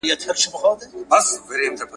د کښتۍ په منځ کي جوړه خوشالي سوه ,